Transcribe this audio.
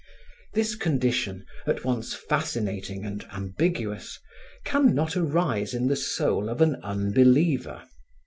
This condition, at once fascinating and ambiguous, can not arise in the soul of an unbeliever.